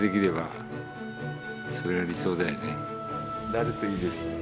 なるといいですね。